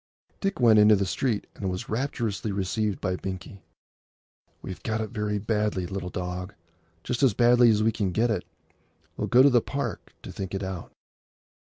Dick went into the street, and was rapturously received by Binkie. "We've got it very badly, little dog! Just as badly as we can get it. We'll go to the Park to think it out."